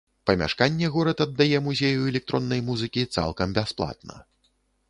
Памяшканне горад аддае музею электроннай музыкі цалкам бясплатна.